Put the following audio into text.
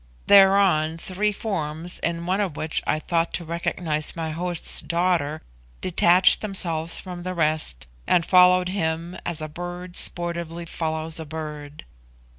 Thereon, three forms, in one of which I thought to recognise my host's daughter, detached themselves from the rest, and followed him as a bird sportively follows a bird.